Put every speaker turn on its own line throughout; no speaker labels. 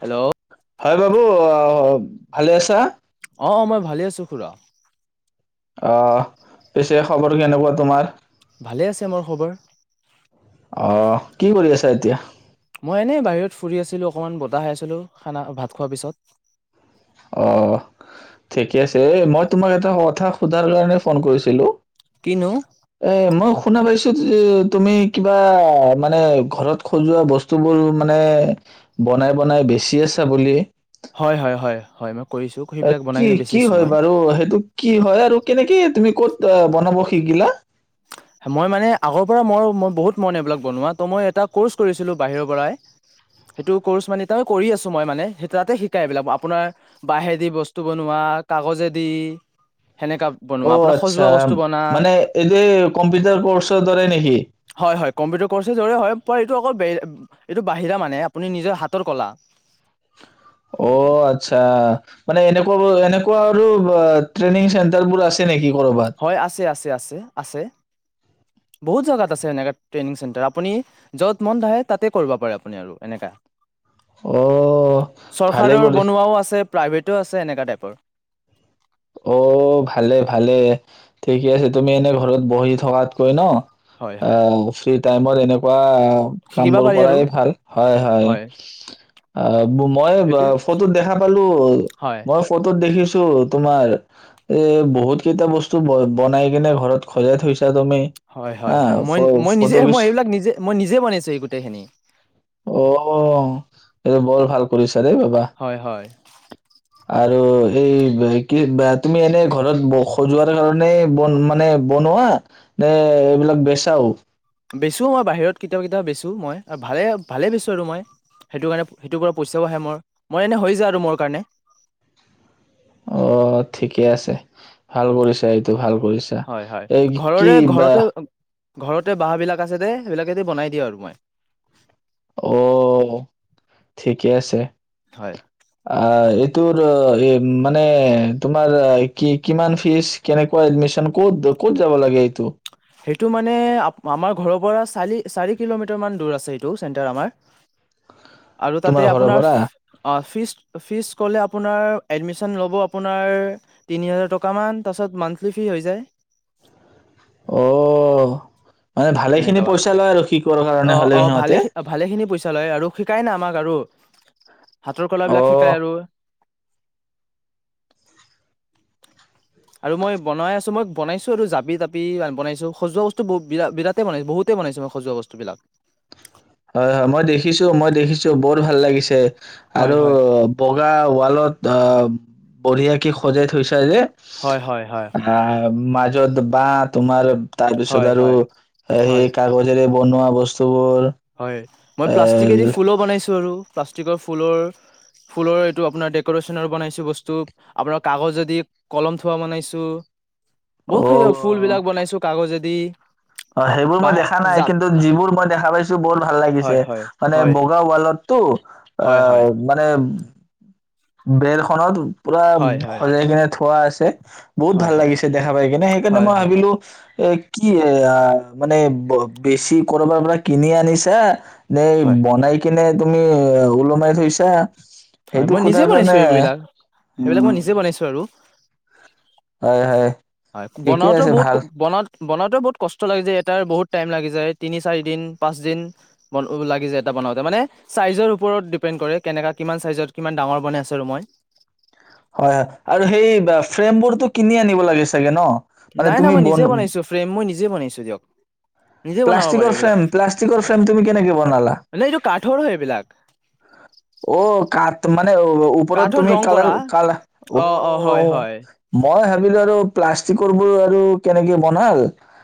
Hello
হয় বাবু আহ ভালে আছা।
অ অ মই ভালে আছো খুৰা।
অ পিছে খবৰ কেনেকুৱা তোমাৰ।
ভালে আছে মোৰ খবৰ।
অ কি কৰি আছে? এতিয়া
মই এনেই বাহিৰত ফুৰি আছিলোঁ অকমান বতাহ খাইছিলো খানা ভাত খোৱাৰ পিছত।
অ ঠিকে আছে মই তোমাক এটা কথা সোধাৰ কাৰণে ফোন কৰিছিলো।
কিনো
এ মই শুনা পাইছো। তুমি কিবা মানে ঘৰত সজোৱা বস্তুবোৰ মানে বনাই বনাই বেছি আছা বুলি।
হয় হয় হয় হয় ম
অ কি কি হয় বাৰু সেইটো কি হয় আৰু কেনেকে তুমি ক'ত বনাব শিকিলা?
মই মানে আগৰপৰাই মই আৰু বহুত মন এইবিলাক বনুৱা ত মই এটা কৰ্চ কৰিছিলো বাহিৰৰ পৰাই সেইটো কৰ্চ মানে এতিয়াও মানে কৰি আছোঁ মই মানে সেই তাতে শিকাই মানে আপোনাৰ বাহেদি বস্তু বনোৱা কাগজেদি সেনেকা বনোৱা
অ
আপোনাৰ
আচ্ছা
সজোৱা বস্তু বনা
মানে এই যে। কম্পিউটাৰ কৰ্চৰ দ্বাৰাই নেকি?
হয় হয় কম্পিটাৰ কৰ্ছৰ দৰেই হয় এইটো অকল এইটো বাহিৰা মানে আপুনি নিজৰ হাতৰ ক'লা
অ' আচ্ছা। মানে এনেকোৱা এনেকোৱা আৰু ট্ৰেইনিং চেন্টাৰবোৰ আছ
হয় আছে আছে আছে আছে বহুত জাগাত আছে এনেকোৱা ট্ৰেইং চেণ্টাৰ আপুনি যত মন আহে তাতে কৰিব পাৰে আপুনি আৰু এনেকা
অ' ভালে
চৰকাৰৰ
কৰি
বনোৱাও আছে প্ৰাইভেট টো আছে এনেকা টাইপৰ
অ ভালে ভালে ঠিকে আছে তুমি এনেই ঘৰত বহি থকাতকৈ ন
হয় হয়
আও ফিৰিত টাইমত এনেকুৱা কাম
শিকিব
বোৰ
পাৰি আৰু
কৰাই ভাল হয় -হয় মই
সেইটোৱে
ফটোত দেখা পালো
হয়
মই ফটোত দেখিছো তোমাৰ এ বহুত কেইটা বস্তু ব বনাই কিনে ঘৰত খজাই থৈ
হয় -হয় - হয় মই -মই নিজে
ফটো
মই
কিছু
এইবিলাক নিজে মই নিজে বনাইছো গোটেই খিনি
অ', এইটো বৰ ভাল কৰিছ আৰে বাবা
হয়
ত এই বহিক ত কি বা তুমি এনে ঘৰত সজোৱাৰ কাৰণে বন মানে বনোৱা নে এইবিলাক বেচাও?
বেচো মই বাহিৰত কেতিয়াবা-কেতিয়াবা বেচোঁ মই, ভালে-ভালে বেচো আৰু মই সেইটো কাৰণে সেইটো পৰা পইচাও আহে মোৰ, মোৰ এনে হৈ যায় আৰু মোৰ কাৰণে।
অ' ঠিকে আছে, ভাল কৰিছা এইটো, ভাল। কৰিছা
হয় হয়
এই কি
ঘৰৰে
বা
ঘৰতে ঘৰতে বাঁহ বিলাক আছে দেই, সেইবিলাকে দি বনাই দিওঁ আৰু মই।
অ'ঠিকে আছে।
হয়
আ এই তোৰ মানে তোমাৰ কি কিমান ফিজ কেনেকুৱা এডমিশন ক'ত-ক'ত যাব লাগে এইটো?
সেইটো মানে আমাৰ ঘৰৰ পৰা চাৰি-চাৰি কিলোমিটাৰ মান দূৰ আছে, এইটো চেণ্টাৰ আমাৰ। আৰু
তোমাৰ
তাতে
ঘৰৰ
আপোনাৰ
পৰা?
অ' ফিছ ফিছ ক'লে অপোনাৰ এডমিছন ল'ব আপোনাৰ তিনি হাজাৰ টকা মান, তাৰ পিছত মান্থলি ফিছ হৈ যায়।
অ' অ' মানে ভালে খিনি পইচা লয় আৰু সি
অ অ ভালে খি ভালে খিনি পইচা লয় আৰু শিকাই না আমাক। আৰু হাতৰ কলাবিলাক
অ',
শিকায় আৰু। আৰু মই বনাই আছো, মই বনাইছো আৰু জাবি তাপি বনাইছো সজোৱা বস্তু ব বিৰা বিৰাটেই বনাইছো বহুতেই বনাইছো মই সজোৱা বস্তু বিলাক।
চ বত ভাল লাগিছে।
হয়
আৰু
হয়
বগা ৱালত অৱ বঢ়িয়া কি সজাই থৈছে।
হয় হয় হয়
[unintelligible] য'ত বা তোমাৰ। তাৰপিছত
হয়
আৰু
হয়
সেই
হয়
কাগজৰে বনোৱা বস্তুবোৰ।
হয় মই
এ
প্লাষ্টিক এদি ফুলো বনাইছোঁ আৰু। প্লাষ্টিকৰ ফুলৰ -ফুলৰ এইটো আপোনাৰ ডেক'ৰেচনৰ বনাইছো বস্তু আপোনাৰ কাগজ যদি কলম থোৱা বনাইছো। বহুত খ
অ',
যাক ফুল বিলাক বনাইছো কাগজেদি। বি
অ', সেইবোৰ মই দেখা নাই কিন্তু যিবোৰ মই দেখা পাইছো বহুত ভাল
হয়
লাগিছে,
হয়
মানে
হয়
বগা ৱাল তটো [unintelligible]
হয় হয়
অ', মানে বেৰখনত। পুৰা
হয় হয়
ভজাই কেনে থোৱা আছে। বহুত
হয়
ভাল
হয়
লাগিছে দেখা পাই কিনে সেইকাৰণে
হয়
মই
হয়
ভাবিলো, এ কি মানে বেছি কৰবাৰ পৰা কিনি আনিছা? ন
হয়
বনাই কি কিনে তুমি অ', ওলমাই থৈছা?
হয়।
সেইটো
মানে নিজে
সোধাৰ
বনাইছো
কাৰণে
এইবিলাক সেইবিলাক
উম
মই নিজে বনাইছো আৰু
হয় হয়
হয়
ঠিকে
বনাওতে
আছে
বহুত ক
ভাল
বনা বনাওঁতে বহুত কষ্ট লাগি যায় এটাৰ বহুত টাইম লাগি যায় তিনি, চাৰি দিন, পাঁচ দিন লাগি যায়, এটা বনাওওঁতে মানে চাইজৰ ওপৰত ডিপেণ্ড কৰে কেনেককা কিমান চাইজত কিমান ডাঙৰ বনাই আছো। ৰ মই
হয় আৰু সেই ফ্ৰেমবোৰটো কিনি আনিব লাগে চাগে ন। মানে
নাই-নাই,
তুমি
মই
বন
নিজে বনাইছো ফ্ৰেম মই নিজে বনাইছো দিয়ক। নিজে বনাব পাৰো
প্লাষ্টিকৰ ফ্ৰেম
এইবিলাক
প্লাষ্টিকৰ ফ্ৰেম তুমি কেনেকে বনালা
নে এইটো কাঠৰ হয় এইবিলাক।
অ' কাঠ মানে ওপৰত
কাঠত
তুমি
ৰং
কালাৰ
কৰা
কাল অ', মই ভাবিলো আৰু? প্লাষ্টিকৰ বোৰ আৰু কেনেকে বনাল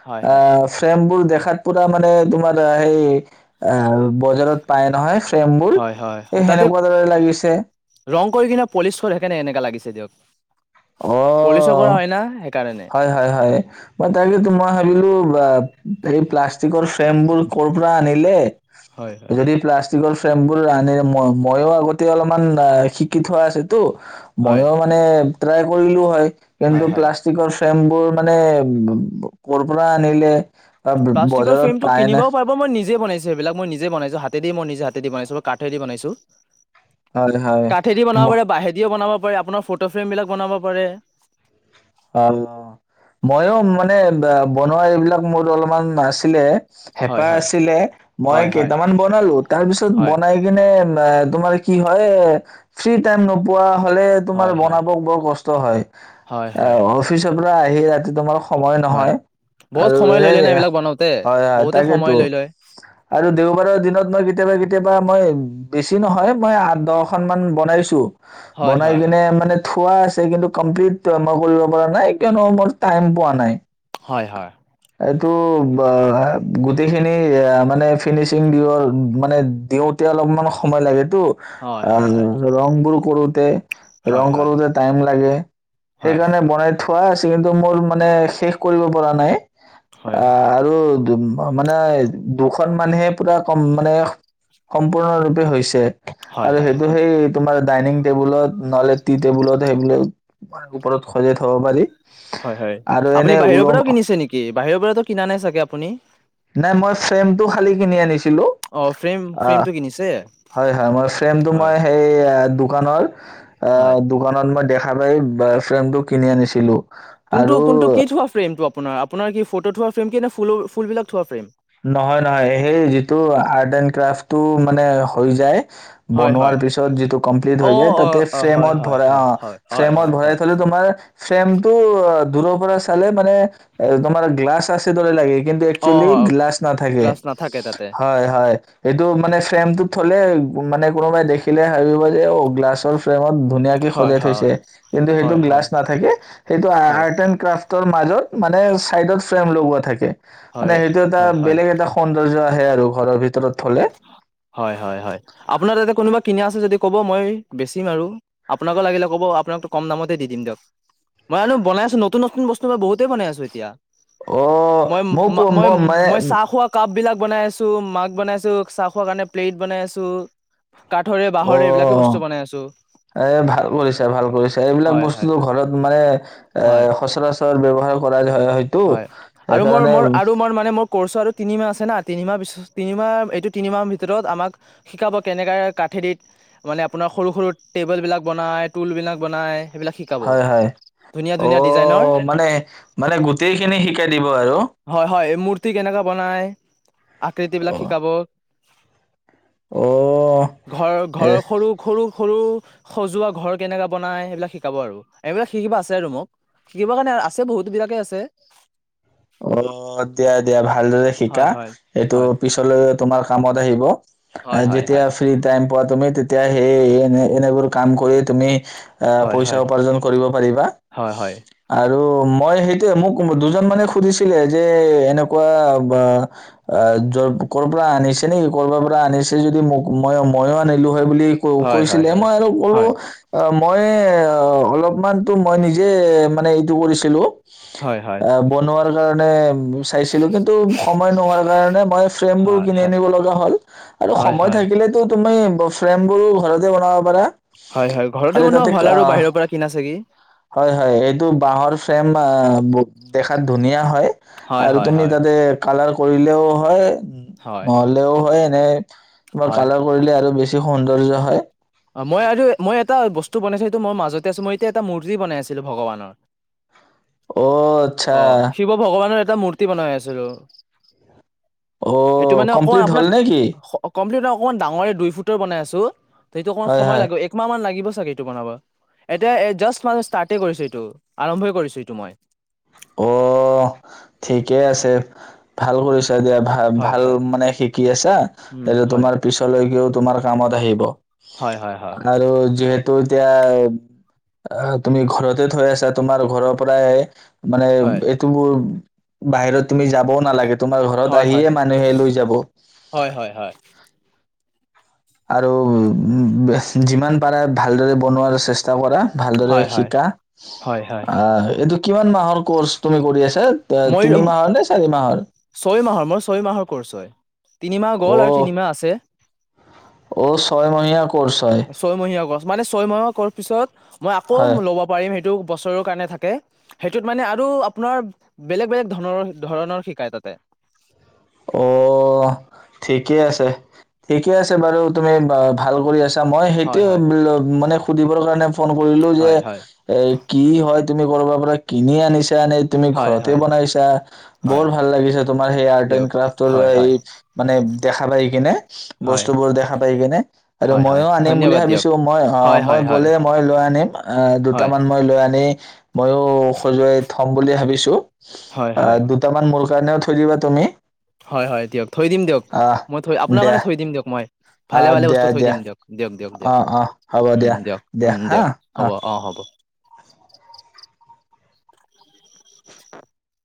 হয় হয়
আ', ফ্ৰেমবোৰ দেখাত পুৰা মানে তোমাৰ সেই অ', বজাৰত পায় নহয় ফ্ৰেমবোৰ,
হয় হয় হয় তাতে,
সেনেকুৱা দৰে লাগিছে
ৰং কৰি কিনা পলিচৰ সেইকাৰনে এনেকা লাগিছে। দিয়ক। পলিচৰ কৰা হয় ন।
হয়-হয়-হয়, মই খালি মই ভাবিলো, বা এই প্লা লা ফ্ৰেমবোৰ কৰ পৰা আনিলে?
হয় হয়
যদি প্লা তিক ফ্ৰেম বোৰ ৰাধৰে ম মইয়েই আগতে অলপমান শিকি থোৱা আছেটো।
হয়
মইয়ো মানে ট্ৰাই কৰিলোও হয়। কিন্তু
হয় হয়
প্লাষ্ট ফ্ৰেম বোৰ মানে ব ব কৰ পৰা আনিলে
প্লাষ্টিকৰ
বজাৰত
ফ্ৰেমটো
পায় না
কিনিবও পাৰিব মই নিজে বনাইছো এইবিলাক মই নিজে বনাইছো হাতেদি মই নিজ হাতে দি বনাইছো ম কাঠে দি বনাইছো।
হয় হয়
কাঠেদি
ম
বনাব পাৰে বাঁহেদিও বনাব প আপোনাৰ ফতো ফ্ৰেম বিলাক বনাব পাৰে।
অ মইয়ো মানে বনোৱা এইবিলাক মোৰ অলপমান আছিলে।
হয়
হেঁপাহ
হয়
আছিলে মই
হয়
কেইটামান বনালো তাৰপিছত
হয়
বনাই কিনে অ তোমাৰ কি হয় ফ্ৰী টাইম নোপোৱা। ফালে তোমাৰ
হয় হয়
বনাবক বৰ কষ্ট হয়।
হয় হয় হয়
পুৰা আহি ৰাতি তোমাৰ সময়
হয়
নহয়
বহুত
আৰু
সময়
এনে
লৈ লয় ন
হয়,
এইবিলাক বনাওঁতে
হয়
বহুতে
তাকেতো
সময় লৈ লয়
আৰু দেওবাৰৰ দিনত মই কেতিয়াবা কেতিয়াবা মই বেছি নহয় মই আ দহখনন মান বনাইছো।
হয়
বনাই
হয়
কিনে মানে থোৱা আছে কিন্তু কমপ্লিট মাৰ কৰিব পৰা নাই কিয়নো মোৰ টাইম পোৱা নাই।
হয় হয়
তো গোটেইখিনি মানে ফিনিচিং দিব মানে দিওঁতে অলপমান সময় লাগে। টো
হয়
অ
হয় হয় হয়
ৰং বোৰ কৰোতে ৰং
হয় হয়
কৰোতে টাইম লাগে।
হয়
সেইকাৰণে বনাই থ খুৱাই আছে কিন্তু মোৰ মানে শেষ কৰিব পৰা নাই।
হয়
অ আৰু মানে দুখন মানহে পূৰা কম মানে সম্পূৰ্ণৰূপে হৈছে।
হয়
আৰু সেইটো
হয়
সেই তোমাৰ ডাইনিং টেবুলত নহ'লে টি টেবুলত সেইবো ম ওপৰত খজাই থব পাৰি।
হয় হয়
আৰু এনে
আপুনি বাহিৰৰ
ওলম
পৰাও কিনিছে নেকি বাহিৰৰ পৰা কিনা নাই চাগে আপুনি
নাই মই ফ্ৰেমটো খালি তিনি আনিছিলো,
অ ফ্ৰেম
আ
ফ্ৰেমটো কিনিছে
হয় হয় মই ফ্ৰেমটো
হয়
মই সেই দোকানৰ আ
হয়
দোকানত ম খাবাৰ ফ্ৰেমটো কিনি আনিছিলো।
কোনটো কোনটো
আৰু
কি থ হোৱা প্ৰেমটো আপোনাৰ আপোনাৰ কি ফটো থোৱা ফ্ৰেম কি নে ফুলৰ ফুলবিলাক থোৱা ফ্ৰেম।
নহয় নহয় সেই যিটো আৰ্ট এণ্ড ক্ৰাফটটো মানে হৈ যায়।
হয়
বনোৱাৰ
হয়
পিছত যিটো কমপ্লিট
অ
হৈ যায়।
অ
তাতে
অ হয়
ফ্ৰেমত
হয়
ভৰা
হয়
অ
হয় হয়
ফ্ৰেমত
হয়
ভৰাই
হয়
থলে তোমাৰ ফ্ৰেম টো অ' দূৰৰ পৰা চালে মানে এ তোমাৰ গ্লাছ আছে দৰে লাগে। কিন্তু
অ
একচুৱেলী
হয়
গ্লাছ থাকে
গ্লাছ নাথাকে তাতে
হয় -হয় হয়, এইটো মানে ফ্ৰেমটোত থলে মানে কোনোবাই দেখিলে ভাবিব যে অ' গ্লাছৰ ফ্ৰেমত ধুনীয়াকে
হয়
সজাই
হয়
থৈছে, কিন্তু সেইটো
হয়
গ্লাছ
হয়
নাথাকে সেইটো
হয়
আৰ্ট এ ক্ৰাফট ৰ মাজত মানে চাইডত ফ্ৰেম লগোৱা থাকে।
হয়।
এ
হয় হয়
বেলেগ এটা আহে আৰু ঘৰৰ ভিতৰত থ'লে।
হয় হয় আপোনাৰ তাতে কোনোবা কিনা আছো যদি ক'ব মই বেছিম আৰু আপোনাকো লাগিলে ক'ব আপোনাকতো কম দামতে দি দিম দিয়ক মই আনো বনাইছো নতুন নতুন বস্তু মই বহুতেই বনাই আছো এতিয়া।
অ'
মই-
মোক ম
মই
মানে
-মই চাহ খোৱা কাপ বিলাক বনাই আছো মাগ বনাইছো। চাহ খোৱা কাৰণে প্লেইট বনাই আছো। কাঠৰে বাঁহৰে এইবিলাকে বস্তু বনাই আছো।
অ' এ ভাল কৰিছা ভাল কৰিছা এইবিলাক
হয় হয়।
বস্তুতটো ঘৰত মানে এ
হয়
সচৰাচৰ ব্যৱহাৰ কৰাই
হয় আৰু মোৰ -মোৰ আৰু মোৰ মানে মোৰ কৰ্চ আৰু তিনি মাহ আছে না তিনিমাহ পিছ তিনিমাহ এইটো তিনিমাহৰ ভিতৰত আমাক শিকাব কেনেকৈ কাঠেৰিত মানে আপোনাৰ সৰু সৰু টেবুলবিলাক বনায় টুলবিলাক বনায়।
হয় -হয়
ডিজাইনৰ
অ' মানে মানে গোটেই
হয় -হয় মূৰ্তি কেনেকৈ বনাই আকৃতি বিলাক
অ'
শিকাব।
অ'
ঘৰ
এ
ঘৰৰ সৰু- সৰু সৰু সজোৱা ঘৰ কেনেকে বনাই সেইবিলাক শিকাব আৰু এইবিলাক শিকিবা আছে আৰু মোক শিকিব কাৰণে আছে বহুত বিলাকে আছে।
অ' দিয়া দিয়া ভাল ভালদৰে শিকা
হয় হয়।
এইটো
হয়
পিছলৈ তোমাৰ কামত আহিব।
হয় হয় হয়।
যেতিয়া ফ্ৰী টাইম পোৱা তুমি তেতিয়া হেই এনে, এনেবোৰ কাম কৰি তুমি এ
হয়
পইচা
হয়
উপাৰ্জন কৰিব পাৰিবা।
হয় হয়
আৰ ত' মই সেইটোৱে, মোক দুজন মানে সুধিছিলে যে এনেকুৱা, বা য ক'ৰ পৰা আনিছে নি কৰবাৰ পৰা আনিছে যদি মোক মই ময়ো আনিলো বুলি‌ ক'
হয় হয়
কৈছিলে,
হয়
মই আৰু বোলো
হয়
মই এ অলপমানতো মই নিজে মানে এইটো কৰিছিলোঁ।
হয়-হয়।
[unintelligible] ম চাইছিলো, কিন্তু সময় নোহোৱাৰ কাৰণে মই ফ্ৰেম বোৰ
হয় হয়
কিনি
হয়
আনিব লগা হ'ল, আৰু
হয়
সময় থাকিলেতো তুমি অ' ফ্ৰেম বোৰো ঘৰতে বনাব পাৰা
হয়-হয়, ঘৰতে
খালি
বনোৱা
তাতে
ভাল আৰু
আহ,
বাহিৰৰ পৰা কিনাছে কি?
হয় হয় এইটো বাঁহৰ ফ্ৰেম আ দেখাত ধুনীয়া হয়।
হয়
আৰু
হয়
তুমি
হয়
তাতে কালাৰ কৰিলেও হয়। উ
হয়
নহ'লেও হয়। [unintelligible] মাৰ
হয়
কালাৰ কৰিলে আৰু বেছি তি সৌন্দৰ্য হয়।
অ মই আৰু, মই এটা বস্তু বনাইছো সেইটো মই মাজতে আছো, মই এতিয়া এটা মূৰ্তি বনাই আছিলো ভগৱানৰ।
অ আচ্ছা।
টা মূৰ্তি বনাই আছিলো। সেইটো
অ'
মানে অকমান
কমপ্লিট
আপোনাৰ
হ'ল নে কি
কমপ্লিট [unintelligible] অমান ডাঙৰে দুই ফুটৰ বনাই আছো। সেইটো অকমান
হয়
সময়
হয়
লাগিব, একমাহ মান লাগিব [unintelligible] বনাব। এতিয়া জাষ্ট [unintelligible] ষ্টাৰ্টে কৰিছো এইটো, আৰম্ভই কৰিছো এইটো মই।
অ' ঠিকেই আছে, ভাল কৰিছ এতিয়া
হয়
ভাল-ভাল
হয়
মানে শিকি আছা,
উম
এইটো
হয়
তোমাৰ পিছলৈকেও তোমাৰ কামত আহিব।
হয় হয় হয়
আৰু যিহেত তো এতিয়া, তুমি ঘৰতে থৈ আছা তোমাৰ ঘৰৰ পৰাই মানে
হয়,
এইটো মোৰ বাহিৰত তুমি যাবও নালাগে তোমাৰ ঘৰত
হয়, হয়,
আহিয়ে মানুহে লৈ যাব।
হয়, হয়, হয়,
আৰু যিমান পাৰা ভালদৰে বনোৱাৰ চেষ্টা চেষ্টা কৰা ভালদৰে
হয়, হয়,
শিকা।
হয়, হয়,
আহ এইটো কিমান মাহৰ কোৰ্স তুমি কৰি আছা? ত-
মই
তিনি মাহৰ নে চাৰি মাহৰ
ছয় মাহৰ, মই ছয় মাহৰ কোৰ্স হয়। তিনিমাহ গ'ল আৰু তিনিমাহ আছে।
ঔ ছয় মহনাীয়া [unintelligible]
ছয় মহিয়া [unintelligible] মানে ছয় মাহৰ কোৰ্স পিছত মই আকৌ
হয়
ল'ব পাৰিম সেইটো। বছৰৰ কাৰণে থাকে সেইটোত মানে আৰু আপোনাৰ বেলেগ-বেলেগ ধ ধৰণৰ শিকায় তাতে।
ঔ', ঠিকে আছে, ঠিকে আছে বাৰু তুমি ভাল কৰি আছা। মই
হয়,
সেইটোয়ে
হয়,
মানে [unintelligible] সুধিবৰ কাৰণে ফোন কৰিলো যে
হয়, হয়,
এ কি হয় তুমি কৰবাৰ পৰা কিনি আনিছ চা নে তুমি
হয়,
ঘৰতে
হয়,
বনাইছা বৰ
হয়,
ভাল লাগিচে। তোমাৰ সেই আৰ্ট এড
দিয়ক হয়, হয়,
মানে দেখা পাই কিনে
হয়,
বস্তু বোৰ দেখা পাই কিনে আৰু
হয়, হয়,
মইও আনিম বুলি
ধন্যবাদ দিয়ক
ভাবিছো,
হয়,
মই
হয়, হয়,
গলে মই লয় আনিম অ', দুটা
হয়,
মান ময় লৈ আনিম। এ ময়ো খজুৱাই থম বুলি ভাবিছো।
হয়,
অ',
হয়।
দুটামান মূল কাৰণেও থৈ দিবা তুমি।
হয়-হয় দিয়ক। থৈ দিম দিয়ক
আহ
মই থৈ আপোনাৰ
দিয়া
কাৰণে থৈ দিম দিয়ক মই
আহ
ভালে-ভালে
দিয়া
বস্তু থৈ
দিয়া
দিম দিয়ক, দিয়ক।
অ
দিয়ক-দিয়ক
অ হ'ব
উম
দিয়া
দিয়ক,
দিয়া
উম
হা
দিয়ক হ'ব, অ', হ'ব।